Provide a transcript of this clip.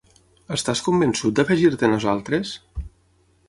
Estàs convençut d'afegir-te a nosaltres?